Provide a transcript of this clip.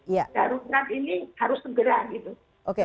jarurat ini harus segera